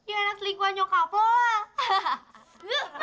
ya anak telingkuhan nyokap lo lah